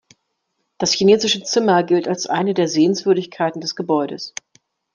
Das chinesische Zimmer gilt als eine der Sehenswürdigkeiten des Gebäudes.